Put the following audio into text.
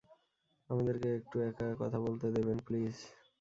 আমাদেরকে একটু একা কথা বলতে দেবেন, প্লিজ?